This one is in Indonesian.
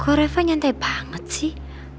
kok reva nyantai banget sih